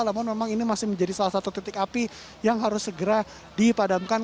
namun memang ini masih menjadi salah satu titik api yang harus segera dipadamkan